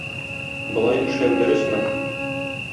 Болай эшләү дөресме?